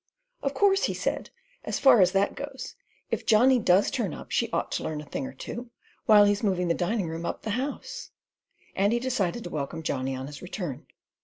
"Of course," he said, "as far as that goes, if Johnny does turn up she ought to learn a thing or two, while he's moving the dining room up the house"; and he decided to welcome Johnny on his return.